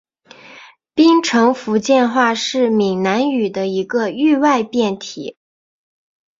槟城福建话是闽南语的一个域外变体。